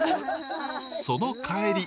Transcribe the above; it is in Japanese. その帰り